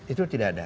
itu tidak ada